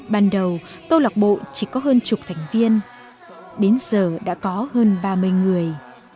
ban đầu câu lạc bộ chỉ có hơn chục thành viên đến giờ đã có hơn ba mươi người